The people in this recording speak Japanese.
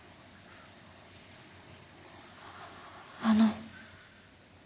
あの。